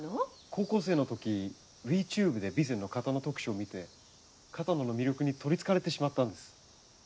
高校生のときＶチューブで備前の刀特集を見て刀の魅力に取りつかれてしまったんです。